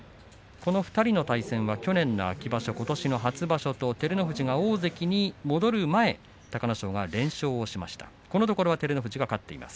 この２人の対戦は去年の秋場所ことしの初場所照ノ富士が大関に戻る前隆の勝が連勝しています。